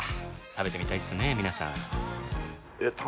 食べてみたいですね皆さん。